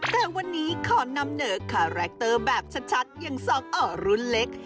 แต่วันนี้ขอนำเหนอคาแรคเตอร์แบบชัดอย่างสองห่อรุ่นเล็ก